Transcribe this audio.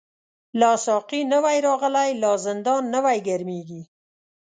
لا ساقی نوی راغلی، لا رندان نوی گرمیږی